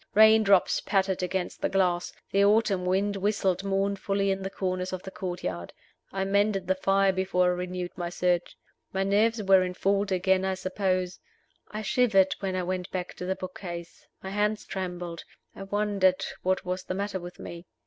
Rain drops pattered against the glass; the autumn wind whistled mournfully in the corners of the courtyard. I mended the fire before I renewed my search. My nerves were in fault again, I suppose. I shivered when I went back to the book case. My hands trembled: I wondered what was the matter with me.